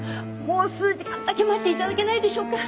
もう数時間だけ待って頂けないでしょうか？